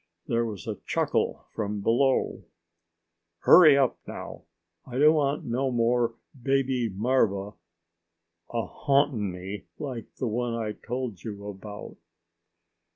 There was a chuckle from below. "Hurry up, now. I don't want no more baby marva a haunting me like the one I told you about."